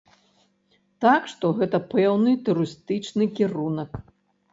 Так што гэта пэўны турыстычны кірунак.